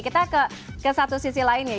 kita ke satu sisi lainnya